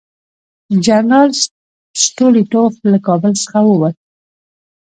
جنرال سټولیټوف له کابل څخه ووت.